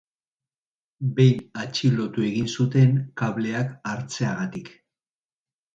Behin atxilotu egin zuten kableak hartzeagatik.